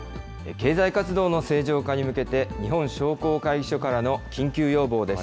経済活動の正常化に向けて、日本商工会議所からの緊急要望です。